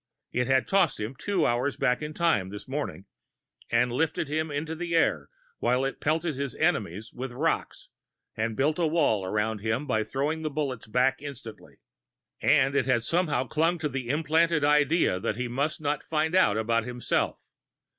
It had tossed him hours back in time this morning, and lifted him into the air while it pelted his "enemies" with rocks, and built a wall around him by throwing the bullets back instantly. And it had somehow clung to the implanted idea that he must not find out about himself.